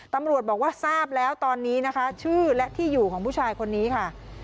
ตำรวจบอกว่าทราบแล้วตอนนี้นะคะชื่อและที่อยู่ของผู้ชายคนนี้ค่ะ